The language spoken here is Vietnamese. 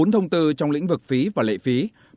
bốn thông tư trong lĩnh vực phí và lệ phí